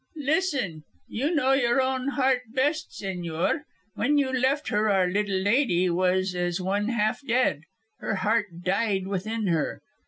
"Listen. You know your own heart best, señor. When you left her our little lady was as one half dead; her heart died within her.